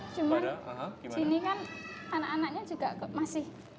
cuma di sini kan anak anaknya juga masih